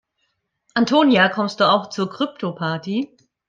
Antonia, kommst du auch zur Kryptoparty?